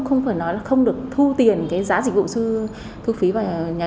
không phải nói là không được thu tiền cái giá dịch vụ thu phí vào nhà